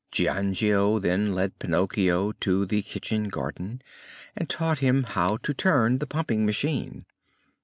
Giangio then led Pinocchio to the kitchen garden and taught him how to turn the pumping machine.